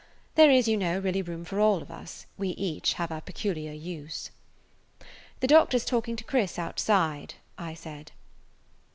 There is, you know, really room for all of us; we each have our peculiar use. "The doctor 's talking to Chris outside," I said.